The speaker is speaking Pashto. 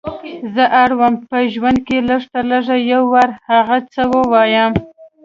زه اړه وم په ژوند کې لږ تر لږه یو وار هغه څه ووایم.